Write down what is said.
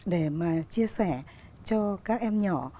để mà chia sẻ cho các em nhỏ